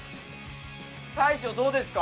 大将どうですか？